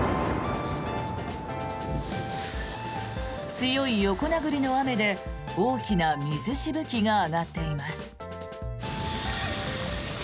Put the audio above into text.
強い横殴りの雨で大きな水しぶきが上がっています。